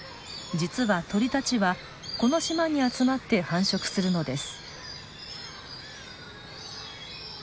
実は鳥たちはこの島に集まって繁殖するのです。